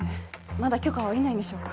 まだ許可は下りないんでしょうか？